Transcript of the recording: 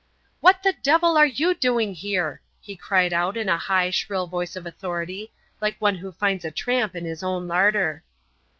"What the devil are you doing here?" he called out in a high, shrill voice of authority, like one who finds a tramp in his own larder.